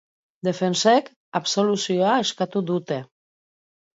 Defentsek absoluzioa eskatu dute.